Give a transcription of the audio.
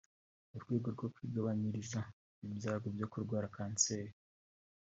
mu rwego rwo kwigabanyiriza ibyago byo kurwara kanseri